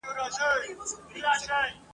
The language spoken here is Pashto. د انسان د ژوند د چارو یو حکمت دی !.